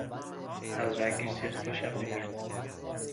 از رنگش زیاد خوشم نمیاد